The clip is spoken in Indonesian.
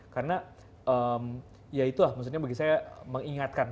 karena ya itulah bagi saya mengingatkan